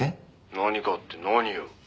「何かって何よ？」